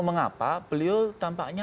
mengapa beliau tampaknya